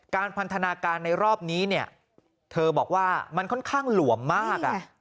พันธนาการในรอบนี้เนี่ยเธอบอกว่ามันค่อนข้างหลวมมาก